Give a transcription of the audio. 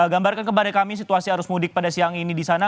gambarkan kepada kami situasi arus mudik pada siang ini di sana